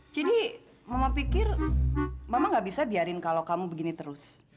jadi mama pikir mama nggak bisa biarin kalau kamu begini terus